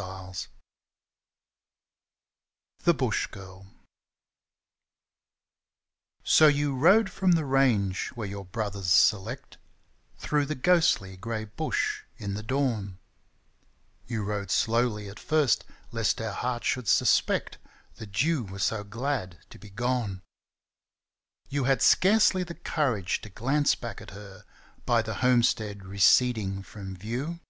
I THE BUSH GIRL So you rode from the range where your brothers select, Through the ghostly, grey Bush in the dawn — You rode slowly at first, lest her heart should suspect That you were so glad to be gone ; You had scarcely the courage to glance back at her By the homestead receding from view.